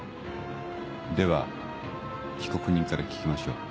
では被告人から聞きましょう。